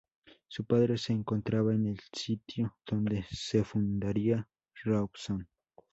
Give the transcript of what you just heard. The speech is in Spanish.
Su padre se encontraba en el sitio donde se fundaría Rawson.